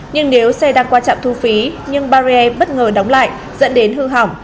nhưng nếu xe đang qua trạm thu phí nhưng barrier bất ngờ đóng lại dẫn đến hư hỏng